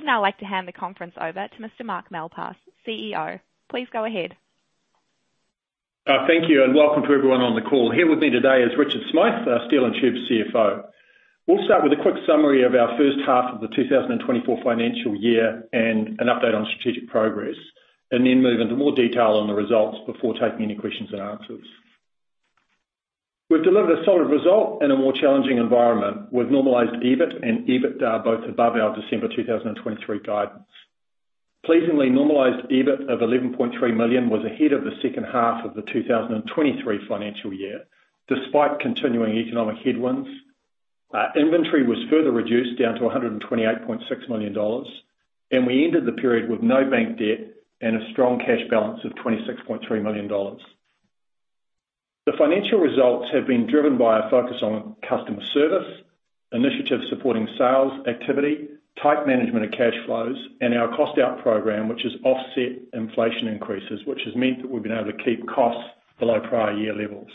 I would now like to hand the conference over to Mr. Mark Malpass, CEO. Please go ahead. Thank you, and welcome to everyone on the call. Here with me today is Richard Smyth, our Steel & Tube CFO. We'll start with a quick summary of our first half of the 2024 financial year, and an update on strategic progress, and then move into more detail on the results before taking any questions and answers. We've delivered a solid result in a more challenging environment, with normalized EBIT and EBITDA both above our December 2023 guidance. Pleasingly, normalized EBIT of 11.3 million was ahead of the second half of the 2023 financial year, despite continuing economic headwinds. Our inventory was further reduced, down to 128.6 million dollars, and we ended the period with no bank debt and a strong cash balance of 26.3 million dollars. The financial results have been driven by a focus on customer service, initiatives supporting sales activity, tight management of cash flows, and our cost out program, which has offset inflation increases, which has meant that we've been able to keep costs below prior year levels.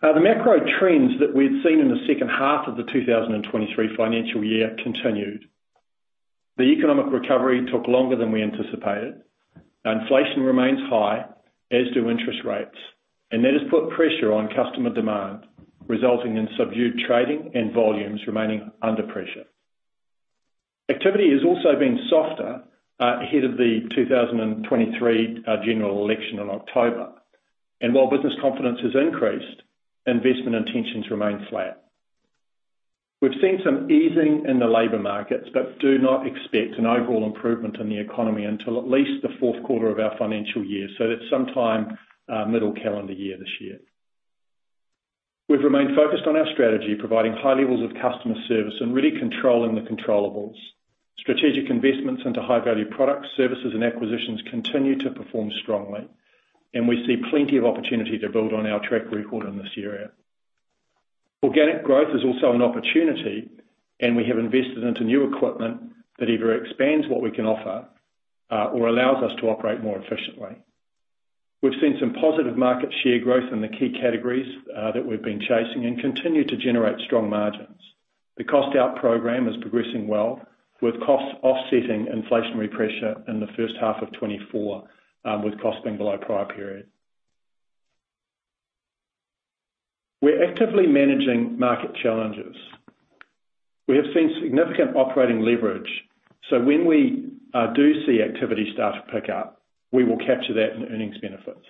Now, the macro trends that we've seen in the second half of the 2023 financial year continued. The economic recovery took longer than we anticipated. Inflation remains high, as do interest rates, and that has put pressure on customer demand, resulting in subdued trading and volumes remaining under pressure. Activity has also been softer ahead of the 2023 general election in October, and while business confidence has increased, investment intentions remain flat. We've seen some easing in the labor markets, but do not expect an overall improvement in the economy until at least the fourth quarter of our financial year, so that's sometime middle calendar year this year. We've remained focused on our strategy, providing high levels of customer service and really controlling the controllables. Strategic investments into high-value products, services, and acquisitions continue to perform strongly, and we see plenty of opportunity to build on our track record in this area. Organic growth is also an opportunity, and we have invested into new equipment that either expands what we can offer or allows us to operate more efficiently. We've seen some positive market share growth in the key categories that we've been chasing, and continue to generate strong margins. The cost out program is progressing well, with costs offsetting inflationary pressure in the first half of 2024, with costs being below prior period. We're actively managing market challenges. We have seen significant operating leverage, so when we do see activity start to pick up, we will capture that in earnings benefits.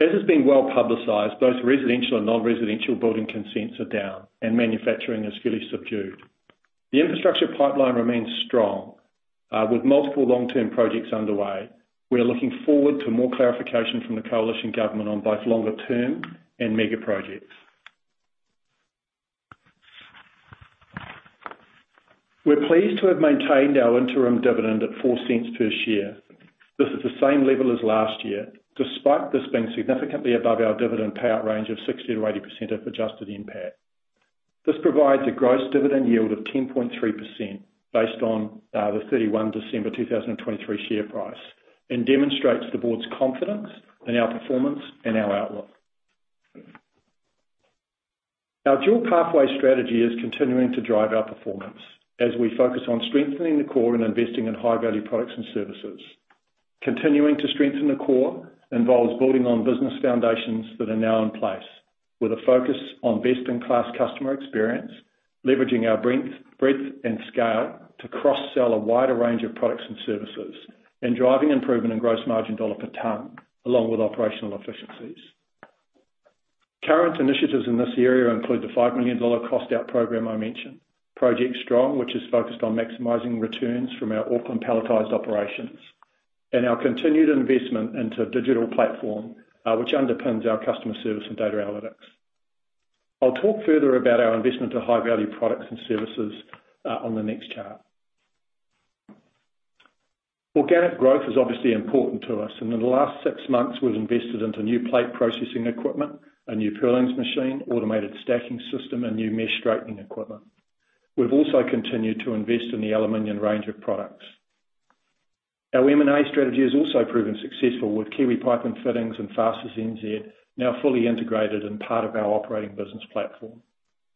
As has been well-publicized, both residential and non-residential building consents are down, and manufacturing is fairly subdued. The infrastructure pipeline remains strong, with multiple long-term projects underway. We are looking forward to more clarification from the coalition government on both longer term and mega projects. We're pleased to have maintained our interim dividend at NZ$0.04 per share. This is the same level as last year, despite this being significantly above our dividend payout range of 60%-80% of adjusted NPAT. This provides a gross dividend yield of 10.3% based on the 31 December 2023 share price, and demonstrates the board's confidence in our performance and our outlook. Our dual pathway strategy is continuing to drive our performance as we focus on strengthening the core and investing in high-value products and services. Continuing to strengthen the core involves building on business foundations that are now in place with a focus on best-in-class customer experience, leveraging our breadth, breadth and scale to cross-sell a wider range of products and services, and driving improvement in gross margin dollar per ton, along with operational efficiencies. Current initiatives in this area include the 5 million dollar cost out program I mentioned, Project Strong, which is focused on maximizing returns from our Auckland palletized operations, and our continued investment into digital platform, which underpins our customer service and data analytics. I'll talk further about our investment to high-value products and services on the next chart. Organic growth is obviously important to us, and in the last six months, we've invested into new plate processing equipment, a new purlin machine, automated stacking system, and new mesh straightening equipment. We've also continued to invest in the aluminum range of products. Our M&A strategy has also proven successful with Kiwi Pipe & Fittings and Fasteners NZ, now fully integrated and part of our operating business platform.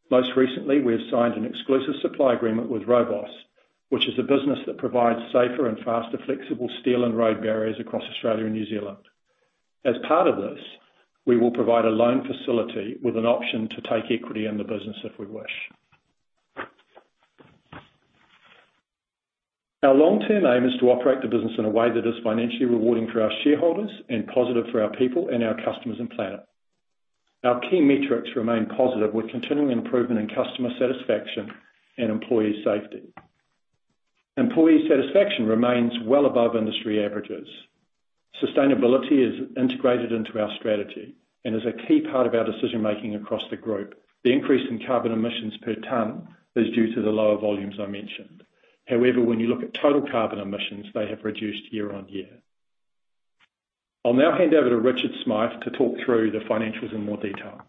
Most recently, we have signed an exclusive supply agreement with RoadBoss, which is a business that provides safer and faster flexible steel and road barriers across Australia and New Zealand. As part of this, we will provide a loan facility with an option to take equity in the business if we wish. Our long-term aim is to operate the business in a way that is financially rewarding for our shareholders and positive for our people and our customers and planet. Our key metrics remain positive, with continuing improvement in customer satisfaction and employee safety. Employee satisfaction remains well above industry averages. Sustainability is integrated into our strategy and is a key part of our decision-making across the group. The increase in carbon emissions per ton is due to the lower volumes I mentioned. However, when you look at total carbon emissions, they have reduced year on year. I'll now hand over to Richard Smyth to talk through the financials in more detail.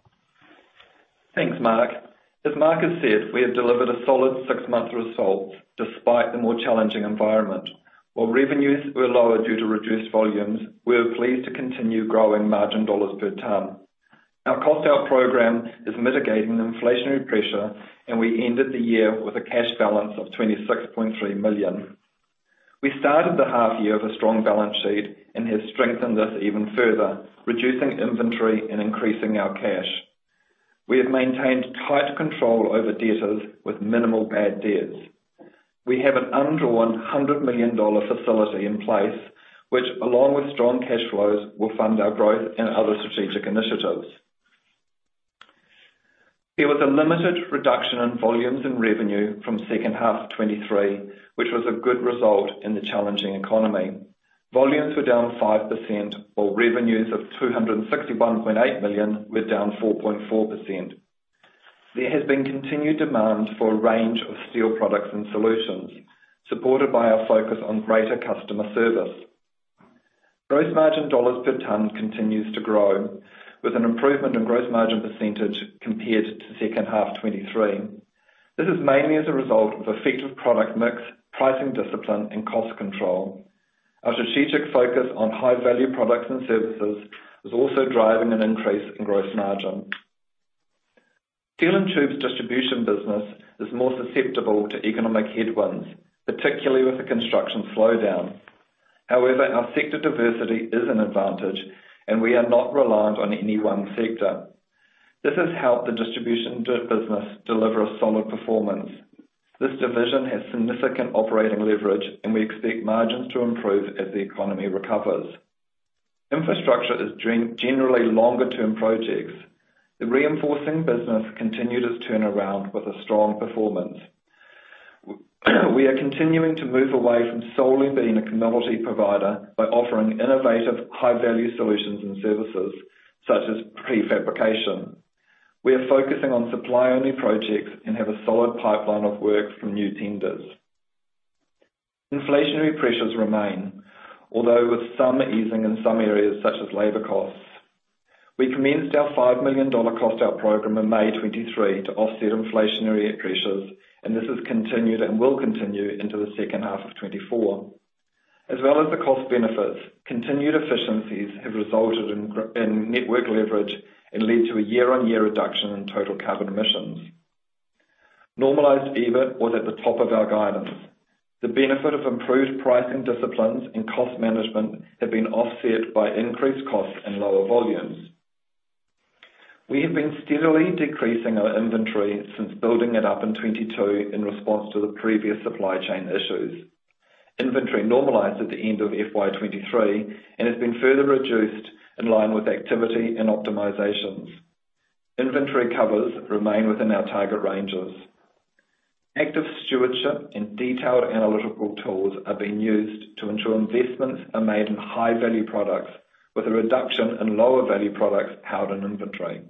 Thanks, Mark. As Mark has said, we have delivered a solid six-month result despite the more challenging environment. While revenues were lower due to reduced volumes, we're pleased to continue growing margin dollars per ton. Our cost out program is mitigating inflationary pressure, and we ended the year with a cash balance of 26.3 million. We started the half year with a strong balance sheet and have strengthened this even further, reducing inventory and increasing our cash. We have maintained tight control over debtors with minimal bad debts. We have an undrawn 100 million dollar facility in place, which, along with strong cash flows, will fund our growth and other strategic initiatives. There was a limited reduction in volumes and revenue from second half 2023, which was a good result in the challenging economy. Volumes were down 5%, while revenues of 261.8 million were down 4.4%. There has been continued demand for a range of steel products and solutions, supported by our focus on greater customer service. Gross margin dollars per ton continues to grow, with an improvement in gross margin percentage compared to second half 2023. This is mainly as a result of effective product mix, pricing discipline, and cost control. Our strategic focus on high-value products and services is also driving an increase in gross margin. Steel & Tube's distribution business is more susceptible to economic headwinds, particularly with the construction slowdown. However, our sector diversity is an advantage, and we are not reliant on any one sector. This has helped the distribution business deliver a solid performance. This division has significant operating leverage, and we expect margins to improve as the economy recovers. Infrastructure is generally longer-term projects. The reinforcing business continued its turnaround with a strong performance. We are continuing to move away from solely being a commodity provider by offering innovative, high-value solutions and services, such as prefabrication. We are focusing on supply-only projects and have a solid pipeline of work from new tenders. Inflationary pressures remain, although with some easing in some areas, such as labor costs. We commenced our 5 million dollar cost out program in May 2023 to offset inflationary pressures, and this has continued and will continue into the second half of 2024. As well as the cost benefits, continued efficiencies have resulted in in network leverage and led to a year-on-year reduction in total carbon emissions. Normalized EBIT was at the top of our guidance. The benefit of improved pricing disciplines and cost management have been offset by increased costs and lower volumes. We have been steadily decreasing our inventory since building it up in 2022 in response to the previous supply chain issues. Inventory normalized at the end of FY 2023 and has been further reduced in line with activity and optimizations. Inventory covers remain within our target ranges. Active stewardship and detailed analytical tools are being used to ensure investments are made in high-value products, with a reduction in lower-value products held in inventory.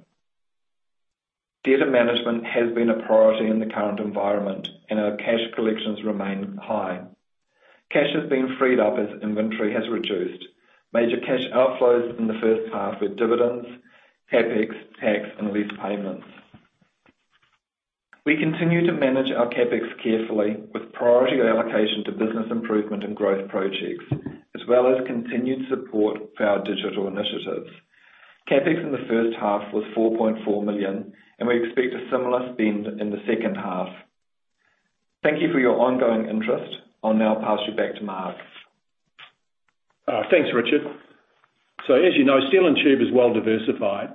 Debtor management has been a priority in the current environment, and our cash collections remain high. Cash has been freed up as inventory has reduced. Major cash outflows in the first half were dividends, CapEx, tax, and lease payments. We continue to manage our CapEx carefully, with priority allocation to business improvement and growth projects, as well as continued support for our digital initiatives. CapEx in the first half was 4.4 million, and we expect a similar spend in the second half. Thank you for your ongoing interest. I'll now pass you back to Mark. Thanks, Richard. So as you know, Steel & Tube is well-diversified,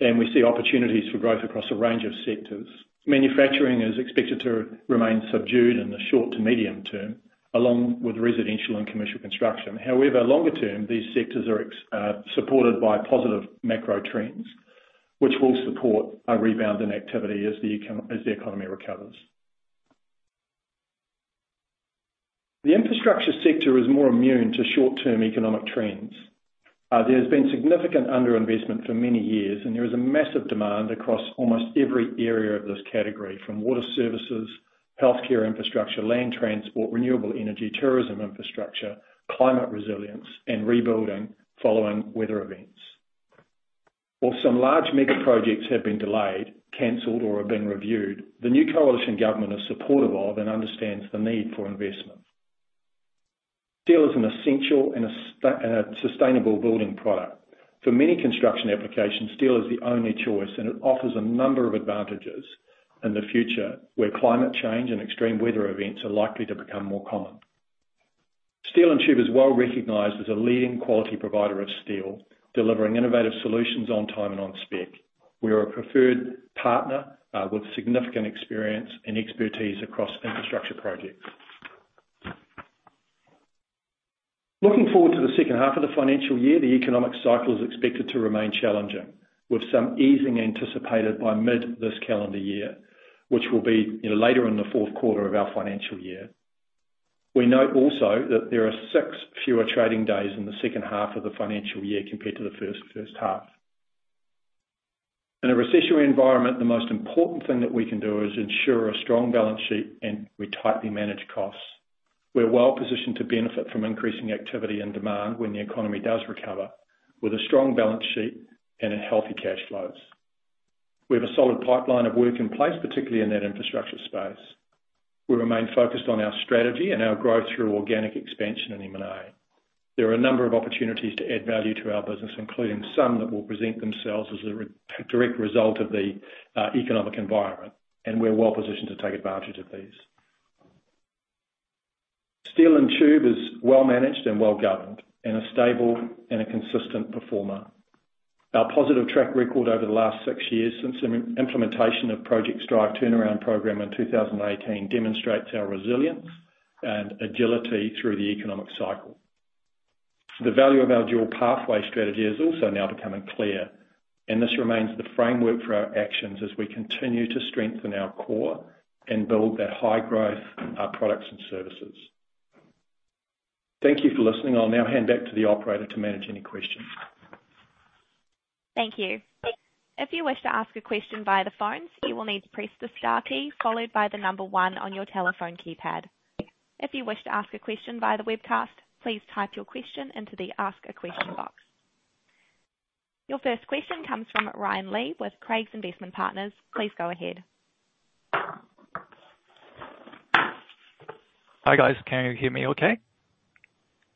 and we see opportunities for growth across a range of sectors. Manufacturing is expected to remain subdued in the short to medium term, along with residential and commercial construction. However, longer term, these sectors are supported by positive macro trends, which will support a rebound in activity as the economy recovers. The infrastructure sector is more immune to short-term economic trends. There's been significant underinvestment for many years, and there is a massive demand across almost every area of this category, from water services, healthcare infrastructure, land transport, renewable energy, tourism infrastructure, climate resilience, and rebuilding following weather events. While some large mega projects have been delayed, canceled, or are being reviewed, the new coalition government is supportive of and understands the need for investment. Steel is an essential and a sustainable building product. For many construction applications, steel is the only choice, and it offers a number of advantages in the future, where climate change and extreme weather events are likely to become more common. Steel & Tube is well recognized as a leading quality provider of steel, delivering innovative solutions on time and on spec. We are a preferred partner with significant experience and expertise across infrastructure projects. Looking forward to the second half of the financial year, the economic cycle is expected to remain challenging, with some easing anticipated by mid this calendar year, which will be, you know, later in the fourth quarter of our financial year. We note also that there are six fewer trading days in the second half of the financial year compared to the first half. In a recessionary environment, the most important thing that we can do is ensure a strong balance sheet, and we tightly manage costs. We're well positioned to benefit from increasing activity and demand when the economy does recover, with a strong balance sheet and healthy cash flows. We have a solid pipeline of work in place, particularly in that infrastructure space. We remain focused on our strategy and our growth through organic expansion and M&A. There are a number of opportunities to add value to our business, including some that will present themselves as a redirect result of the economic environment, and we're well positioned to take advantage of these. Steel & Tube is well managed and well governed, and a stable and a consistent performer. Our positive track record over the last six years since implementation of Project Strive turnaround program in 2018 demonstrates our resilience and agility through the economic cycle. The value of our dual pathway strategy is also now becoming clear, and this remains the framework for our actions as we continue to strengthen our core and build that high growth products and services. Thank you for listening. I'll now hand back to the operator to manage any questions. Thank you. If you wish to ask a question via the phones, you will need to press the star key followed by the number one on your telephone keypad. If you wish to ask a question via the webcast, please type your question into the ask a question box. Your first question comes from Ryan Li with Craigs Investment Partners. Please go ahead. Hi, guys. Can you hear me okay?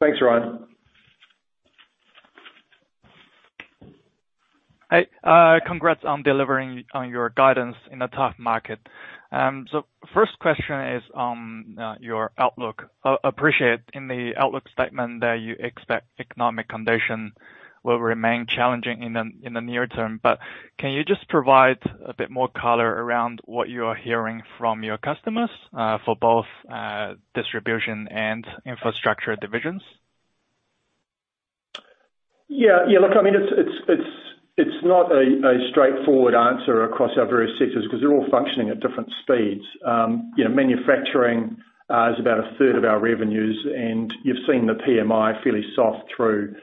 Yes, Ryan. Hey, congrats on delivering on your guidance in a tough market. First question is on your outlook. Appreciate in the outlook statement that you expect economic condition will remain challenging in the near term, but can you just provide a bit more color around what you are hearing from your customers for both distribution and infrastructure divisions? Yeah, yeah, look, I mean, it's not a straightforward answer across our various sectors, 'cause they're all functioning at different speeds. You know, manufacturing is about a third of our revenues, and you've seen the PMI fairly soft through,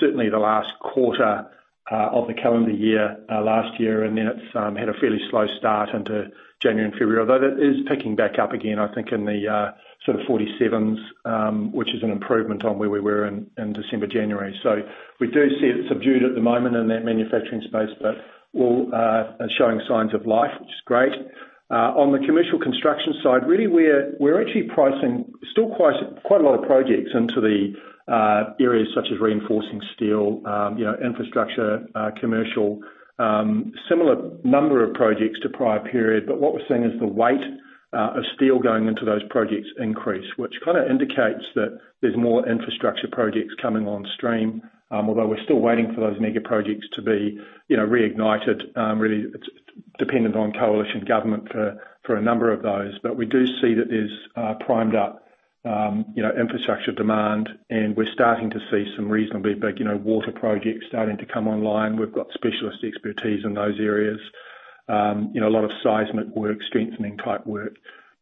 certainly the last quarter of the calendar year last year, and then it's had a fairly slow start into January and February, although that is picking back up again, I think, in the sort of 47s, which is an improvement on where we were in December, January. So we do see it subdued at the moment in that manufacturing space, but all are showing signs of life, which is great. On the commercial construction side, really, we're actually pricing still quite a lot of projects into the areas such as reinforcing steel, you know, infrastructure, commercial, similar number of projects to prior period, but what we're seeing is the weight of steel going into those projects increase, which kind of indicates that there's more infrastructure projects coming on stream. Although we're still waiting for those mega projects to be, you know, reignited, really it's dependent on coalition government for a number of those. But we do see that there's primed up, you know, infrastructure demand, and we're starting to see some reasonably big, you know, water projects starting to come online. We've got specialist expertise in those areas. You know, a lot of seismic work, strengthening type work.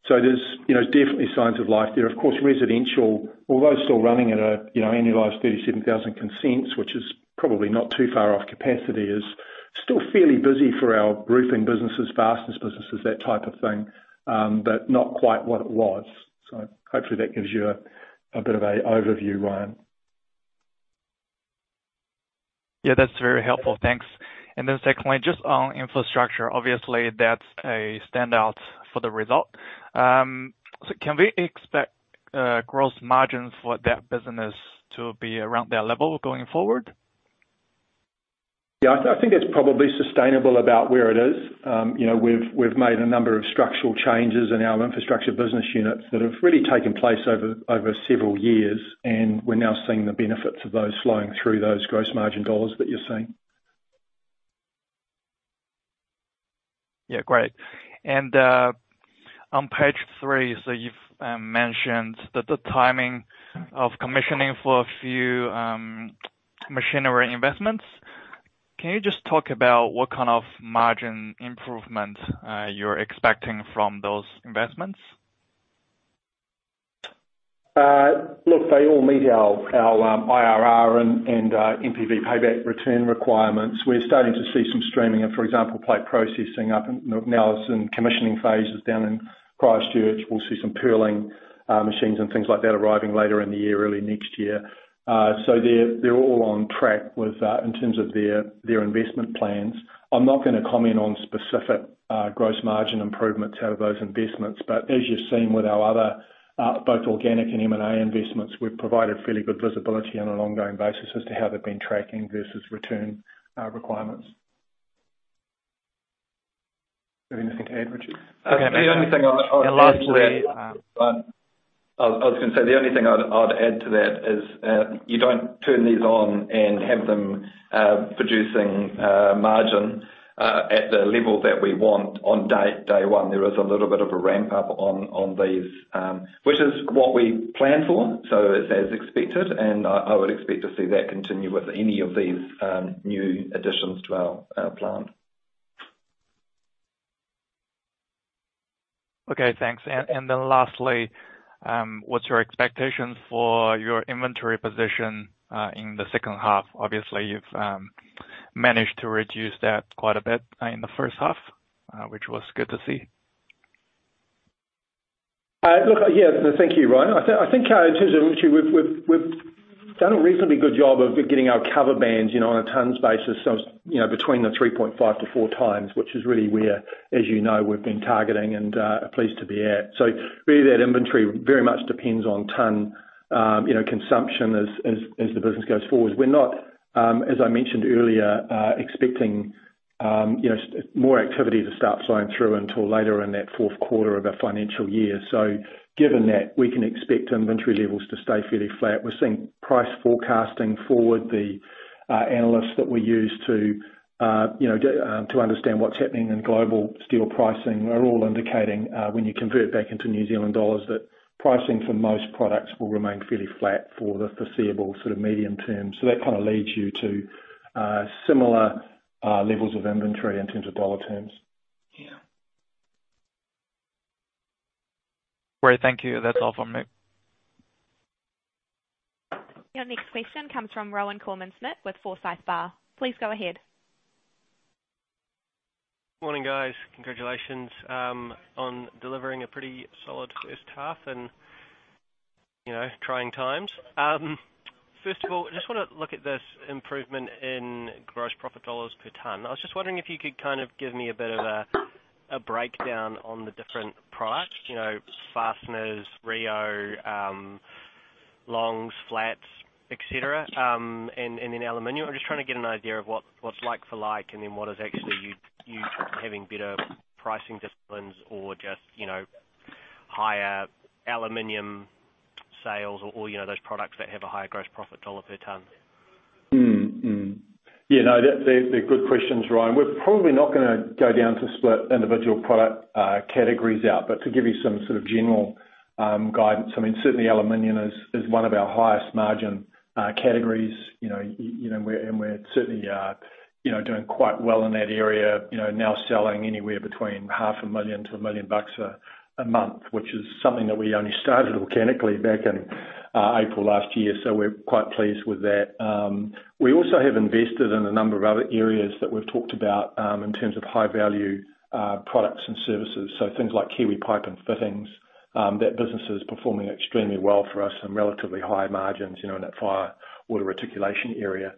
So there's, you know, definitely signs of life there. Of course, residential, although still running at a, you know, annualized 37,000 consents, which is probably not too far off capacity, is still fairly busy for our roofing businesses, fasteners businesses, that type of thing, but not quite what it was. So hopefully that gives you a bit of a overview, Ryan. Yeah, that's very helpful. Thanks. And then secondly, just on infrastructure, obviously that's a standout for the result. So can we expect gross margin for that business to be around that level going forward? Yeah, I think it's probably sustainable about where it is. You know, we've made a number of structural changes in our infrastructure business units that have really taken place over several years, and we're now seeing the benefits of those flowing through those gross margin dollars that you're seeing. Yeah, great. On page three, so you've mentioned that the timing of commissioning for a few machinery investments. Can you just talk about what kind of margin improvement you're expecting from those investments? Look, they all meet our IRR and NPV payback return requirements. We're starting to see some streaming of, for example, plate processing up, and now it's in commissioning phases down in Christchurch. We'll see some purlin machines and things like that arriving later in the year, early next year. So they're all on track with, in terms of their investment plans. I'm not gonna comment on specific gross margin improvements out of those investments, but as you've seen with our other both organic and M&A investments, we've provided fairly good visibility on an ongoing basis as to how they've been tracking versus return requirements. Have you anything to add, Richard? The only thing I'll add to that- Lastly,... I was gonna say, the only thing I'd add to that is, you don't turn these on and have them producing margin at the level that we want on day one. There is a little bit of a ramp up on these, which is what we planned for, so as expected, and I would expect to see that continue with any of these new additions to our plan. Okay, thanks. And then lastly, what's your expectation for your inventory position in the second half? Obviously, you've managed to reduce that quite a bit in the first half, which was good to see.... Look, yeah, thank you, Ryan. I think in terms of inventory, we've done a reasonably good job of getting our cover bands, you know, on a tons basis. So, you know, between the 3.5-4 times, which is really where, as you know, we've been targeting and are pleased to be at. So really, that inventory very much depends on ton, you know, consumption as the business goes forward. We're not, as I mentioned earlier, you know, some more activity to start flowing through until later in that fourth quarter of our financial year. So given that, we can expect inventory levels to stay fairly flat. We're seeing price forecasting forward, analysts that we use to, you know, to understand what's happening in global steel pricing, are all indicating, when you convert back into New Zealand dollars, that pricing for most products will remain fairly flat for the foreseeable sort of medium term. So that kind of leads you to, similar, levels of inventory in terms of dollar terms. Yeah. Great. Thank you. That's all from me. Your next question comes from Rohan Koreman-Smit with Forsyth Barr. Please go ahead. Morning, guys. Congratulations on delivering a pretty solid first half, and, you know, trying times. First of all, I just wanna look at this improvement in gross profit dollars per ton. I was just wondering if you could kind of give me a bit of a breakdown on the different products, you know, fasteners, rebar, longs, flats, et cetera, and then aluminum. I'm just trying to get an idea of what, what's like for like, and then what is actually you having better pricing disciplines or just, you know, higher aluminum sales or, you know, those products that have a higher gross profit dollar per ton. Yeah, no, that's—they're good questions, Rohan. We're probably not gonna go down to split individual product categories, but to give you some sort of general guidance, I mean, certainly aluminum is one of our highest margin categories. You know, you know, we're, and we're certainly doing quite well in that area. You know, now selling anywhere between 500,000-1 million a month, which is something that we only started organically back in April last year. So we're quite pleased with that. We also have invested in a number of other areas that we've talked about in terms of high value products and services, so things like Kiwi Pipe & Fittings. That business is performing extremely well for us on relatively high margins, you know, in that fire water articulation area.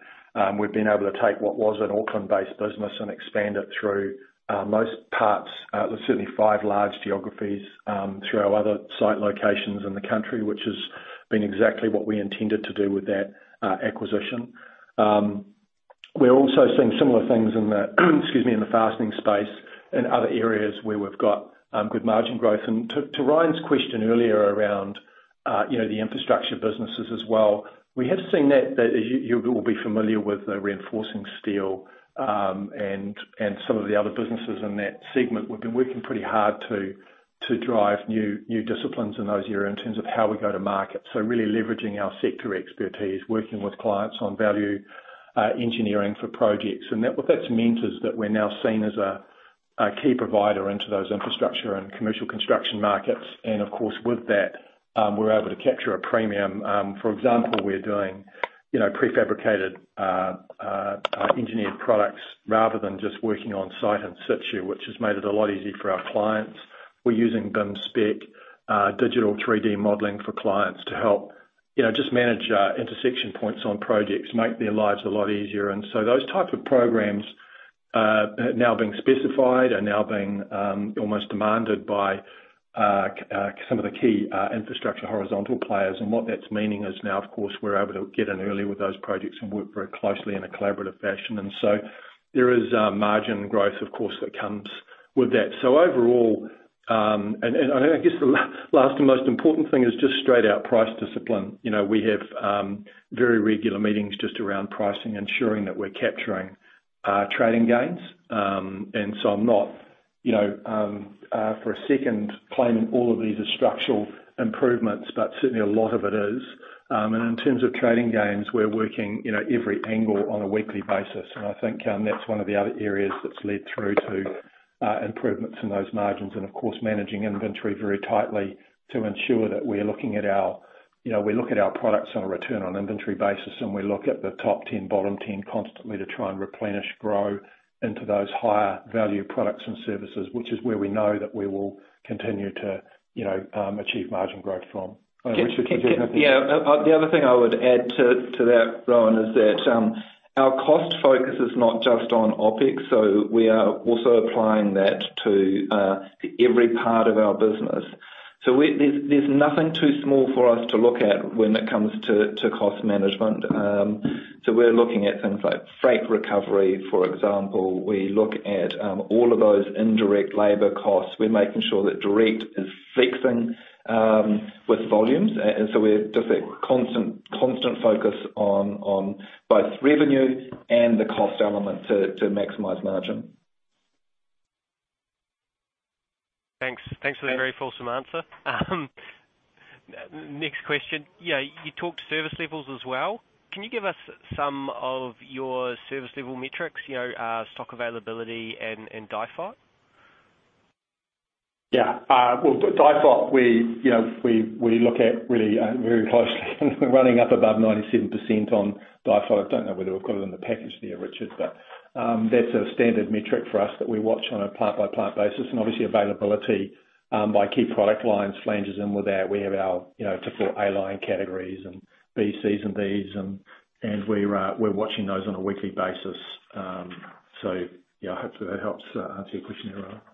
We've been able to take what was an Auckland-based business and expand it through most parts, there's certainly five large geographies, through our other site locations in the country, which has been exactly what we intended to do with that acquisition. We're also seeing similar things in the, excuse me, in the fastening space and other areas where we've got good margin growth. And to Ryan's question earlier around, you know, the infrastructure businesses as well, we have seen that you will be familiar with the reinforcing steel and some of the other businesses in that segment. We've been working pretty hard to drive new disciplines in those area in terms of how we go to market, so really leveraging our sector expertise, working with clients on value engineering for projects. And what that's meant is that we're now seen as a key provider into those infrastructure and commercial construction markets. And of course, with that, we're able to capture a premium. For example, we're doing, you know, prefabricated engineered products rather than just working on site in situ, which has made it a lot easier for our clients. We're using BIM spec digital 3D modeling for clients to help, you know, just manage intersection points on projects, make their lives a lot easier. And so those types of programs are now being specified and now being almost demanded by some of the key infrastructure horizontal players. And what that's meaning is now, of course, we're able to get in early with those projects and work very closely in a collaborative fashion. And so there is margin growth, of course, that comes with that. So overall... And I guess the last and most important thing is just straight out price discipline. You know, we have very regular meetings just around pricing, ensuring that we're capturing trading gains. And so I'm not, you know, for a second, claiming all of these are structural improvements, but certainly a lot of it is. And in terms of trading gains, we're working, you know, every angle on a weekly basis, and I think, that's one of the other areas that's led through to, improvements in those margins. And of course, managing inventory very tightly to ensure that we're looking at our... You know, we look at our products on a return on inventory basis, and we look at the top 10, bottom 10 constantly to try and replenish growth into those higher value products and services, which is where we know that we will continue to, you know, achieve margin growth from. Richard, did you have anything? Yeah. The other thing I would add to that, Rohan, is that our cost focus is not just on OpEx, so we are also applying that to every part of our business. So there's nothing too small for us to look at when it comes to cost management. So we're looking at things like freight recovery, for example. We look at all of those indirect labor costs. We're making sure that direct is flexing with volumes. And so we have just a constant, constant focus on both revenue and the cost element to maximize margin. Thanks. Thanks for the very fulsome answer. Next question. Yeah, you talked service levels as well. Can you give us some of your service level metrics, you know, stock availability and, and DIFOT?... Yeah, well, DIFOT, we, you know, we look at really very closely, and we're running up above 97% on DIFOT. I don't know whether we've got it in the package there, Richard, but that's a standard metric for us that we watch on a plant-by-plant basis, and obviously availability by key product lines, flanges and with that, we have our, you know, different A line categories, and B, Cs, and Ds, and we're watching those on a weekly basis. So yeah, hopefully that helps answer your question there, Rohan. Mark and I have a weekly meeting. Yeah,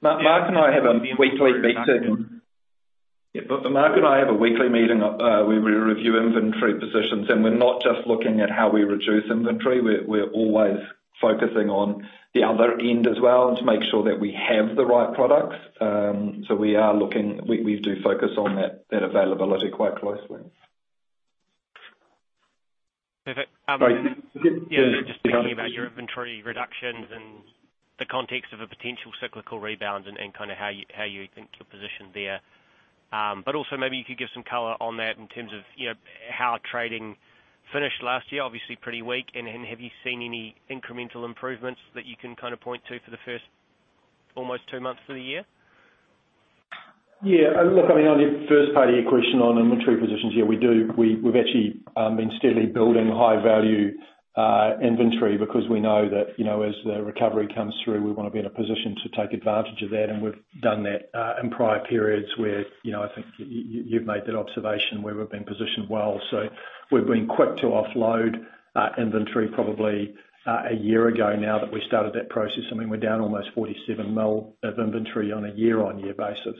Mark and I have a weekly meeting, where we review inventory positions, and we're not just looking at how we reduce inventory. We're, we're always focusing on the other end as well, and to make sure that we have the right products. So we are looking... We, we do focus on that, that availability quite closely. Perfect. Um- Sorry. Yeah, just thinking about your inventory reductions and the context of a potential cyclical rebound, and kinda how you think you're positioned there. But also, maybe you could give some color on that in terms of, you know, how trading finished last year, obviously pretty weak, and have you seen any incremental improvements that you can kind of point to for the first almost two months of the year? Yeah. Look, I mean, on the first part of your question on inventory positions, yeah, we do. We, we've actually, been steadily building high value, inventory, because we know that, you know, as the recovery comes through, we wanna be in a position to take advantage of that, and we've done that, in prior periods, where, you know, I think you've made that observation, where we've been positioned well. So we've been quick to offload, inventory probably, a year ago now that we started that process. I mean, we're down almost 47 million of inventory on a year-on-year basis.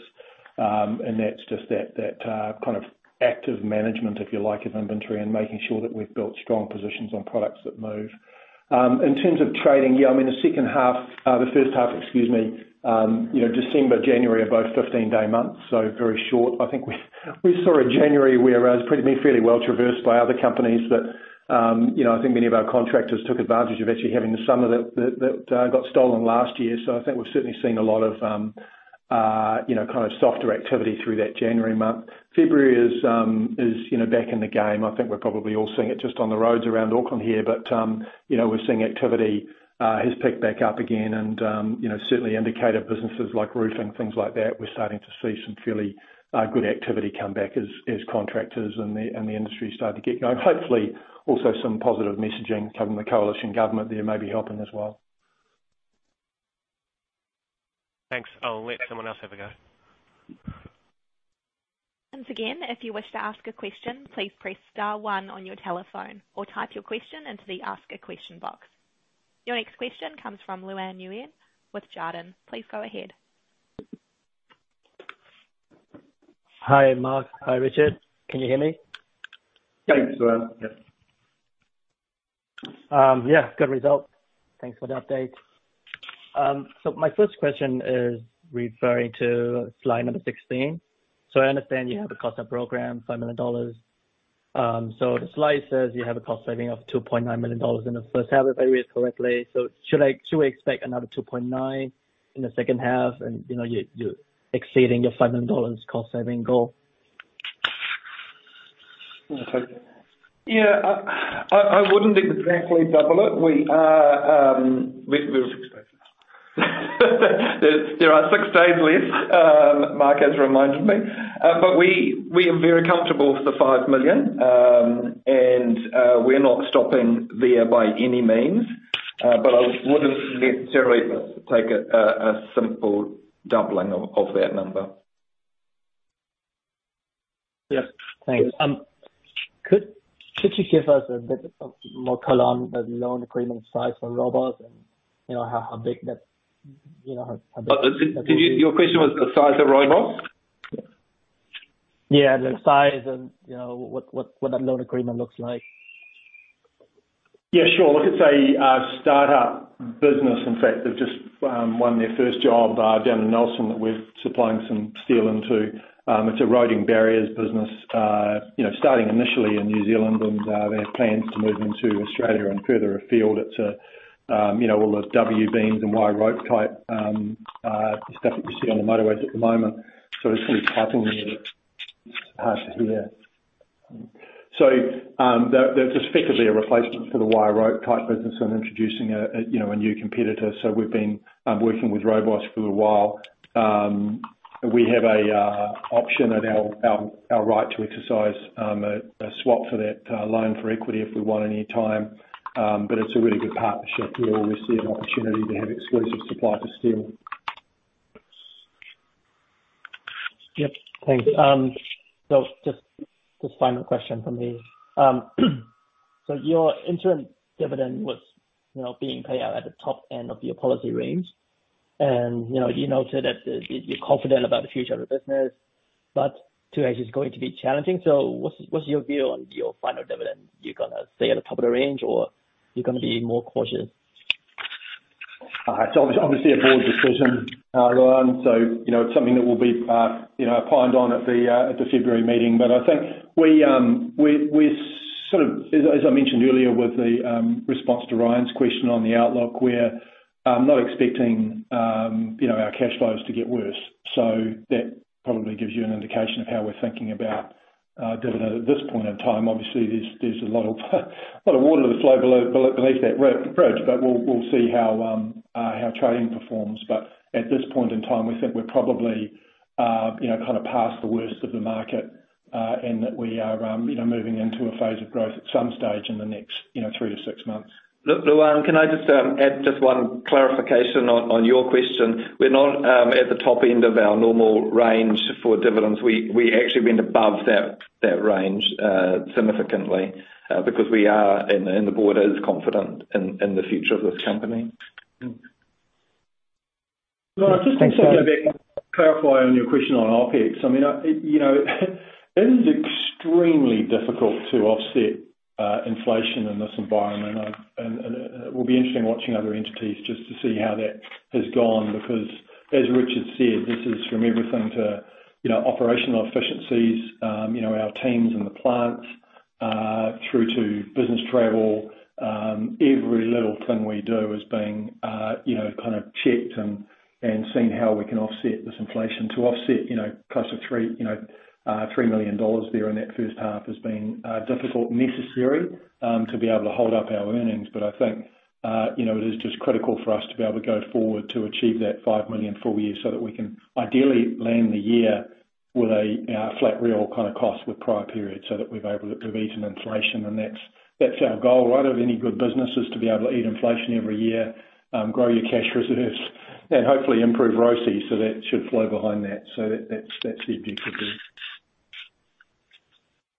And that's just that, kind of active management, if you like, of inventory, and making sure that we've built strong positions on products that move. In terms of trading, yeah, I mean, the second half, the first half, excuse me, you know, December, January are both 15-day months, so very short. I think we saw in January, where it was fairly well traversed by other companies that, you know, I think many of our contractors took advantage of actually having the summer that got stolen last year. So I think we've certainly seen a lot of, you know, kind of softer activity through that January month. February is, you know, back in the game. I think we're probably all seeing it just on the roads around Auckland here, but, you know, we're seeing activity has picked back up again, and, you know, certainly indicator businesses like roofing, things like that, we're starting to see some fairly good activity come back as, as contractors and the, and the industry start to get going. Hopefully, also some positive messaging coming from the coalition government there may be helping as well. Thanks. I'll let someone else have a go. Once again, if you wish to ask a question, please press star one on your telephone or type your question into the Ask a Question box. Your next question comes from Luan Nguyen with Jarden. Please go ahead. Hi, Mark. Hi, Richard. Can you hear me? Thanks, Luan. Yes. Yeah, good result. Thanks for the update. So my first question is referring to slide number 16. So I understand you have a cost program, 5 million dollars. So the slide says you have a cost saving of 2.9 million dollars in the first half, if I read correctly, so should I... should we expect another 2.9 in the second half, and you know, you're, you're exceeding your 5 million dollars cost saving goal? Yeah, I wouldn't exactly double it. We are- We have six days. There are six days left, Mark has reminded me. But we are very comfortable with the 5 million, and we're not stopping there by any means, but I wouldn't necessarily take a simple doubling of that number. Yes. Thanks. Could you give us a bit of more color on the loan agreement size for RoadBoss and, you know, how big that, you know, how big- Your question was the size of RoadBoss? Yeah, the size and, you know, what that loan agreement looks like. Yeah, sure. Look, it's a startup business. In fact, they've just won their first job down in Nelson that we're supplying some steel into. It's a roading barriers business, you know, starting initially in New Zealand, and they have plans to move into Australia and further afield. It's, you know, all those W-beams and wire rope type stuff that you see on the motorways at the moment. Sorry, there's some typing there that's hard to hear. So, there's effectively a replacement for the wire rope type business and introducing a, you know, a new competitor, so we've been working with RoadBoss for a little while. We have an option at our right to exercise a swap for that loan for equity if we want, anytime, but it's a really good partnership. We always see an opportunity to have exclusive supplier to steel. Yep. Thanks. So just final question from me. So your interim dividend was, you know, being paid out at the top end of your policy range, and, you know, you noted that you're confident about the future of the business, but H2 actually is going to be challenging, so what's your view on your final dividend? You're gonna stay at the top of the range, or you're gonna be more cautious? It's obviously, obviously a board decision, Luan, so, you know, it's something that will be, you know, pondered on at the February meeting. But I think we, we, we sort of... As, as I mentioned earlier, with the response to Ryan's question on the outlook, I'm not expecting, you know, our cash flows to get worse, so that probably gives you an indication of how we're thinking about dividend at this point in time. Obviously, there's, there's a lot of water to flow under the bridge, but we'll, we'll see how trading performs. But at this point in time, we think we're probably, you know, kind of past the worst of the market, and that we are, you know, moving into a phase of growth at some stage in the next, you know, 3-6 months. Look, Luan, can I just add just one clarification on your question? We're not at the top end of our normal range for dividends. We actually been above that range significantly because we are and the board is confident in the future of this company. Thanks. Luan, just to go back, clarify on your question on OpEx. I mean, you know, it is extremely difficult to offset inflation in this environment. And, it will be interesting watching other entities just to see how that has gone, because as Richard said, this is from everything to, you know, operational efficiencies, you know, our teams and the plants, through to business travel. Every little thing we do is being, you know, kind of checked and seeing how we can offset this inflation. To offset, you know, close to 3, you know, 3 million dollars there in that first half has been difficult, necessary, to be able to hold up our earnings. But I think, you know, it is just critical for us to be able to go forward to achieve that 5 million full year, so that we can ideally land the year with a flat real kind of cost with prior periods, so that we've eaten inflation, and that's our goal, right, of any good businesses, to be able to eat inflation every year, grow your cash reserves, and hopefully improve ROFE. So that should flow behind that. So that, that's the view for good.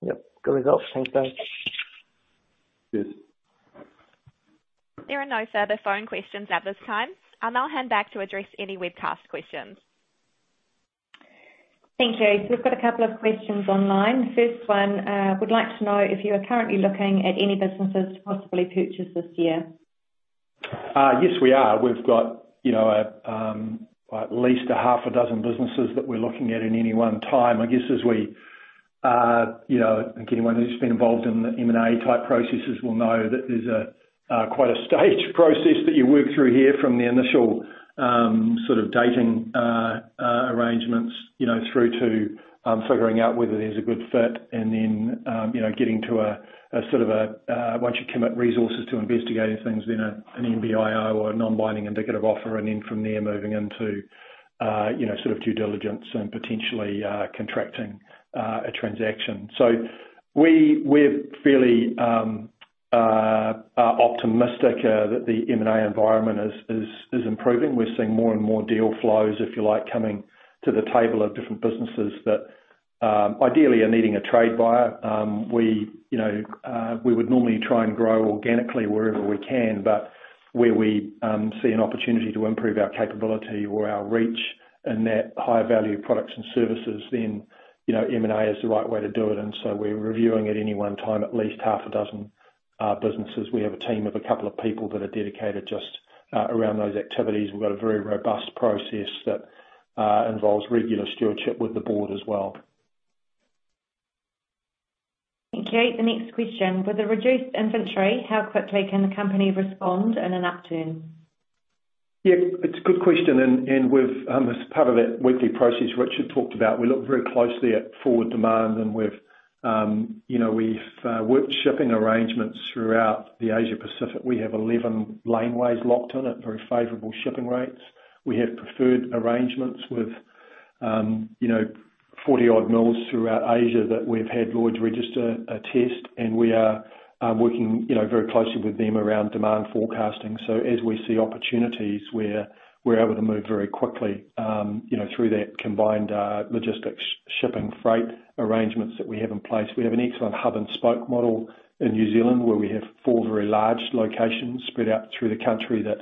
Yep. Good result. Thanks, Dave. Cheers. There are no further phone questions at this time. I'll now hand back to address any webcast questions. Thank you. We've got a couple of questions online. First one, would like to know if you are currently looking at any businesses to possibly purchase this year? Yes, we are. We've got, you know, at least a half a dozen businesses that we're looking at in any one time. I guess as we, you know, I think anyone who's been involved in the M&A type processes will know that there's a quite a staged process that you work through here from the initial, sort of dating arrangements, you know, through to, figuring out whether there's a good fit and then, you know, getting to a sort of a, once you commit resources to investigating things, then an NBIO or a non-binding indicative offer, and then from there, moving into, you know, sort of due diligence and potentially, contracting a transaction. So we're fairly optimistic that the M&A environment is improving. We're seeing more and more deal flows, if you like, coming to the table of different businesses that, ideally are needing a trade buyer. We, you know, we would normally try and grow organically wherever we can, but where we see an opportunity to improve our capability or our reach in that higher value products and services, then, you know, M&A is the right way to do it. And so we're reviewing at any one time, at least half a dozen businesses. We have a team of a couple of people that are dedicated just around those activities. We've got a very robust process that involves regular stewardship with the board as well. Thank you. The next question: with the reduced inventory, how quickly can the company respond in an upturn? Yeah, it's a good question, and with, as part of that weekly process Richard talked about, we look very closely at forward demand, and we've, you know, we've worked shipping arrangements throughout the Asia Pacific. We have 11 laneways locked in at very favorable shipping rates. We have preferred arrangements with, you know, 40-odd mills throughout Asia that we've had Lloyd's Register test, and we are working, you know, very closely with them around demand forecasting. So as we see opportunities, we're able to move very quickly, you know, through that combined logistics, shipping, freight arrangements that we have in place. We have an excellent hub-and-spoke model in New Zealand, where we have four very large locations spread out through the country that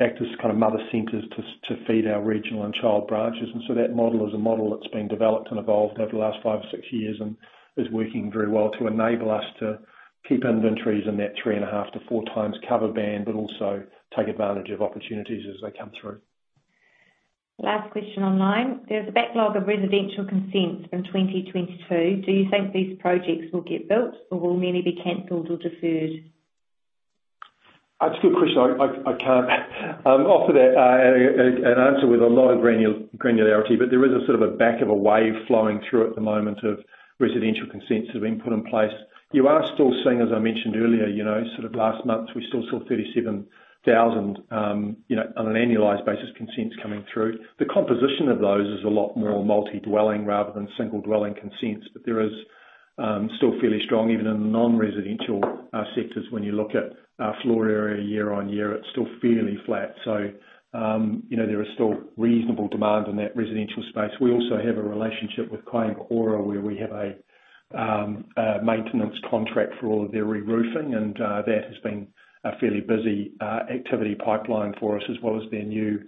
act as kind of mother centers to to feed our regional and child branches. And so that model is a model that's been developed and evolved over the last 5 or 6 years and is working very well to enable us to keep inventories in that 3.5-4 times cover band, but also take advantage of opportunities as they come through. Last question online: there's a backlog of residential consents from 2022. Do you think these projects will get built or will many be canceled or deferred? That's a good question. I can't offer that, an answer with a lot of granularity, but there is a sort of a back of a wave flowing through at the moment of residential consents that have been put in place. You are still seeing, as I mentioned earlier, you know, sort of last month, we still saw 37,000, on an annualized basis, consents coming through. The composition of those is a lot more multi-dwelling rather than single-dwelling consents, but there is still fairly strong, even in the non-residential sectors. When you look at floor area year-over-year, it's still fairly flat. So, you know, there is still reasonable demand in that residential space. We also have a relationship with Kāinga Ora, where we have a maintenance contract for all of their reroofing, and that has been a fairly busy activity pipeline for us, as well as their new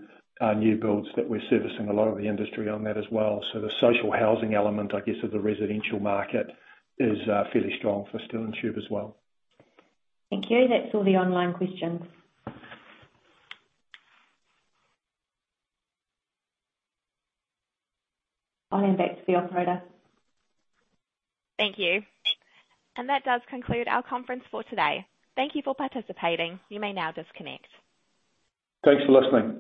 builds that we're servicing a lot of the industry on that as well. So the social housing element, I guess, of the residential market is fairly strong for Steel & Tube as well. Thank you. That's all the online questions. I hand back to the operator. Thank you. That does conclude our conference for today. Thank you for participating. You may now disconnect. Thanks for listening.